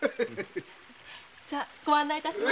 じゃご案内いたします。